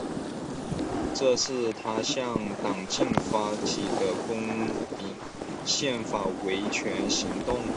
这是他向党禁发起的公民宪法维权行动。